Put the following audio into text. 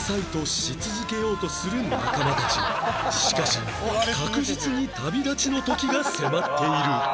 しかし確実に旅立ちの時が迫っている